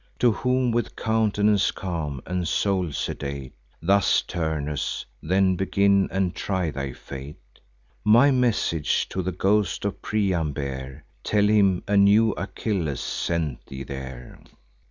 To whom, with count'nance calm, and soul sedate, Thus Turnus: "Then begin, and try thy fate: My message to the ghost of Priam bear; Tell him a new Achilles sent thee there."